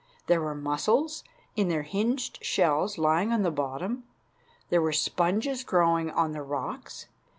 There were mussels in their hinged shells lying on the bottom. There were sponges growing on the rocks.